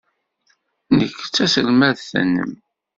Nekk d taselmadt-nnem.